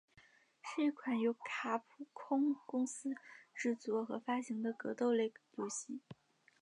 是一款由卡普空公司制作和发行的格斗类游戏。